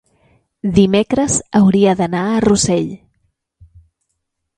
Dimecres hauria d'anar a Rossell.